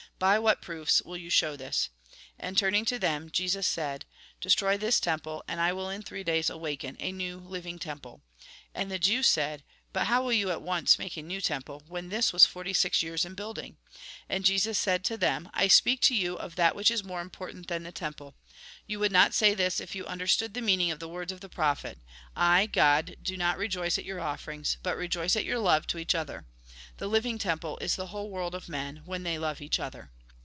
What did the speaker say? By what proofs will you show this ?" And, turning to them, Jesus said :" Destroy this temple and I will in three days awaken a new, living temple." And the Jews said :" But how will you at once make a new temple, when this was forty six years in building ?" And Jesus said to them :" I speak to you of that which is more important than the temple. You would Jn. ii. 14. 15. 16. Mt. xxi. 13. Mk. xi. 17. (Is.a. Ivi. 7. Jer. vii. 4, 11). 20. Mt. xii. 6. LIFE IN THE SPIRIT 35 Jn. ii. 23. 24. 25. iv. 4. 6. 10. 20. not say this if you understood the meaning of the words of the prophet : I, God, do not rejoice at your offerings, but rejoice at your love to each other. The Uving temple is the whole world of men, when they love each other."